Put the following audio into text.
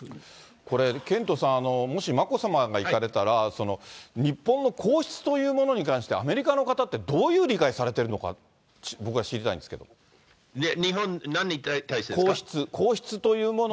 これ、ケントさん、もし眞子さまが行かれたら、日本の皇室というものに関して、アメリカの方って、どういう理解されてるのか日本、皇室、皇室というもの。